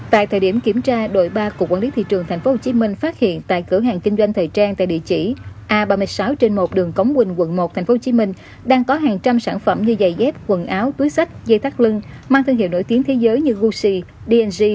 tại giờ quản lý thị trường tp hcm đã phát hiện một cửa hàng kinh doanh hàng trăm sản phẩm áo quần túi sách nghi làm giả các tên hiệu nổi tiếng trên thế giới tại quận một